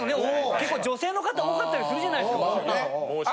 結構女性の方多かったりするじゃないですか。